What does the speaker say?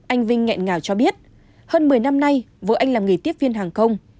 anh vinh nghẹn ngào cho biết hơn một mươi năm nay vợ anh làm nghề tiếp viên hàng không